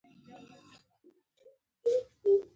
يوه عادي خبره ورته سبب جوړېږي.